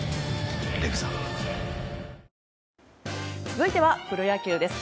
続いてはプロ野球です。